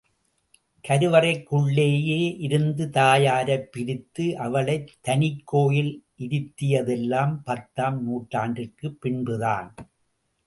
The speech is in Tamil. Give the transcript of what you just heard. கருவறைக்குள்ளேயே இருந்த தாயாரைப் பிரித்து, அவளைத் தனிக் கோயிலில் இருத்தியதெல்லாம் பத்தாம் நூற்றாண்டிற்குப் பின்புதான்.